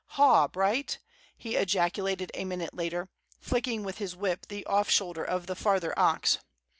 "Haw, Bright!" he ejaculated a minute later, flicking with his whip the off shoulder of the farther ox.